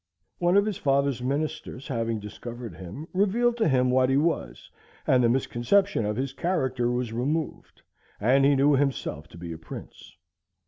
One of his father's ministers having discovered him, revealed to him what he was, and the misconception of his character was removed, and he knew himself to be a prince.